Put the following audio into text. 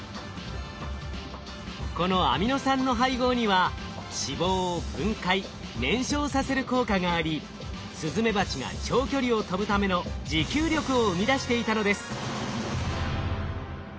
このアミノ酸の配合には脂肪を分解燃焼させる効果がありスズメバチが長距離を飛ぶための持久力を生み出していたのです。